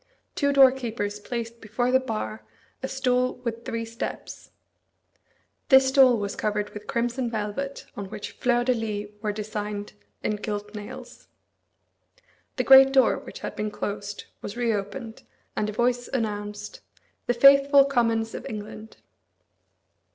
Two doorkeepers placed before the bar a stool with three steps. This stool was covered with crimson velvet, on which fleurs de lis were designed in gilt nails. The great door, which had been closed, was reopened; and a voice announced, "The faithful Commons of England."